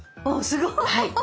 すごい。